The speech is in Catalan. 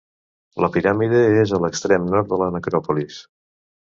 La piràmide és a l'extrem nord de la necròpolis.